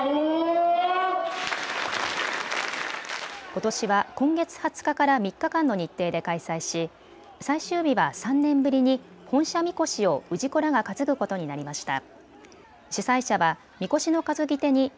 ことしは今月２０日から３日間の日程で開催し最終日は３年ぶりに本社神輿を氏子らが担ぐことになりました。